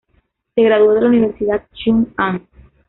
Se graduó de la Universidad Chung-Ang.